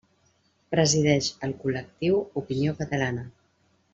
Presideix el col·lectiu Opinió Catalana.